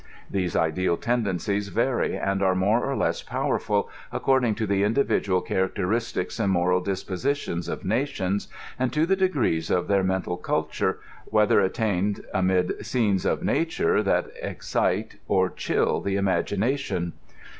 These ideal tendencies vary, and are more or less powerful, accord ing to the individual characteristics and moral dispositions of nations, and to the degrees of their mental culture, whether attained amid scenes of nature that excite or ohill the imag ination.